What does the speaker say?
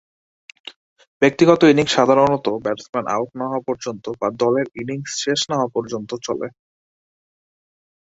ব্যক্তিগত ইনিংস সাধারনত batsman out না হওয়া পর্যন্ত বা দলের ইনিংস শেষ না হওয়া পর্যন্ত চলে।